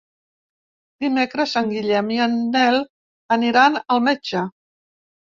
Dimecres en Guillem i en Nel aniran al metge.